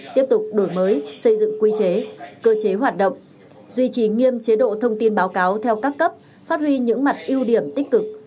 tiếp tục đổi mới xây dựng quy chế cơ chế hoạt động duy trì nghiêm chế độ thông tin báo cáo theo các cấp phát huy những mặt ưu điểm tích cực